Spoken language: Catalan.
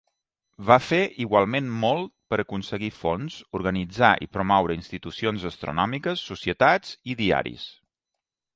Va fer igualment molt per aconseguir fons, organitzar i promoure institucions astronòmiques, societats i diaris.